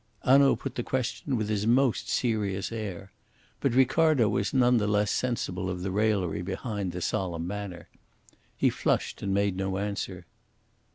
Hanaud put the question with his most serious air. But Ricardo was none the less sensible of the raillery behind the solemn manner. He flushed and made no answer.